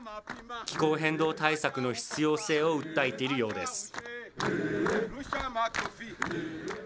気候変動対策の必要性を訴えているようです。